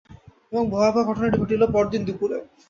এবং ভয়াবহ ঘটনাটি ঘটল পরদিন দুপুরে।